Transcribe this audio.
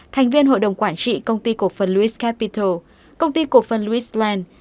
thành viên hội đồng quản trị công ty cổ phân lewis capital công ty cổ phân lewis land